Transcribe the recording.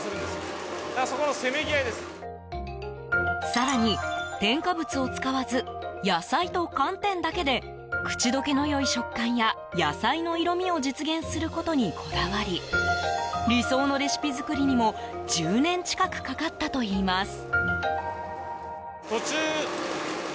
更に、添加物を使わず野菜と寒天だけで口溶けの良い食感や野菜の色味を実現することにこだわり理想のレシピ作りにも１０年近くかかったといいます。